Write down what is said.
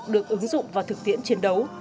được ứng dụng và thực tiễn chiến đấu